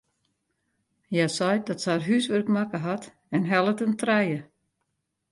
Hja seit dat se har húswurk makke hat en hellet in trije.